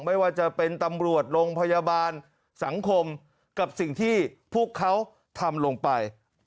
ไม่ว่าจะเป็นตำรวจโรงพยาบาลสังคมกับสิ่งที่พวกเขาทำลงไป